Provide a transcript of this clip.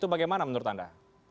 bagaimana menurut anda